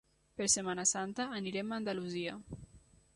Per Setmana Santa anirem a Andalusia.